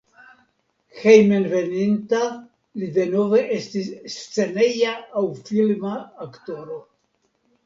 Hejmenveninta li denove estis sceneja aŭ filma aktoro.